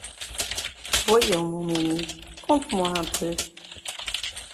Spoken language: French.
Voyons, mon mimi, conte-moi un peu.